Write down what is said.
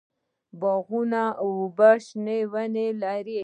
باغونه اوبه او شنه ونې لري.